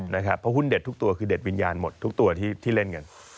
เพราะหุ้นเด็ดทุกตัวคือเด็ดวิญญาณหมดทุกตัวที่เล่นกัน